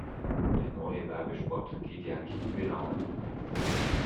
Der neue Werbespot geht ja richtig viral.